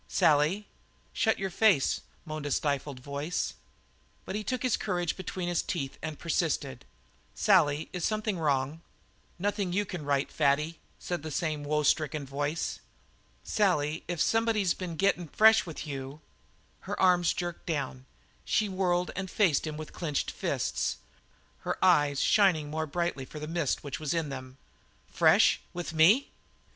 "Sally!" "Shut your face!" moaned a stifled voice. But he took his courage between his teeth and persisted. "Sally, somethin' is wrong." "Nothin' you can right, Fatty," said the same woe stricken voice. "Sally, if somebody's been gettin' fresh with you " Her arms jerked down; she whirled and faced him with clenched fists; her eyes shining more brightly for the mist which was in them. "Fresh with me?